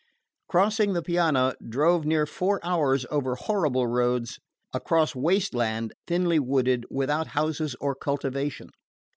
Crossing the Piana, drove near four hours over horrible roads across waste land, thinly wooded, without houses or cultivation.